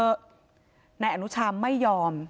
นายอนุชาไม่ยอม